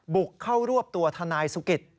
บุกเข้ารวบตัวทนายสุกิต